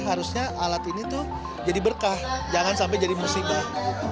harusnya alat ini tuh jadi berkah jangan sampai jadi musibah